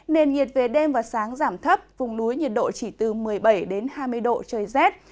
nền nhiệt về đêm và sáng giảm thấp vùng núi nhiệt độ chỉ từ một mươi bảy đến hai mươi độ trời rét